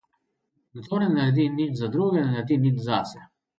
Kdor ne naredi nič za druge, ne naredi nič zase.